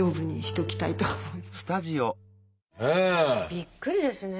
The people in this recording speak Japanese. びっくりですね。